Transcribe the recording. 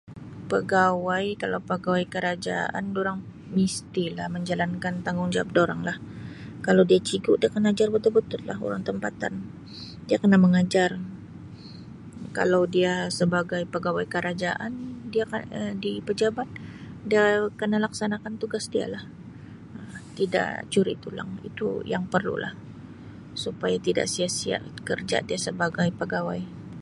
Pegawai kalau pegawai kerajaan dorang misti lah menjalankan tanggungjawab dorang lah kalau dia cigu dia kena ajar betul betul lah orang tempatan dia kena mengajar kalau dia sebagai pegawai kerajaan dia kena Um di pejabat kena laksanakan tugas dia lah Um tidak curi tulang itu yang perlu lah supaya tidak sia sia kerja dia sebagai pegawai.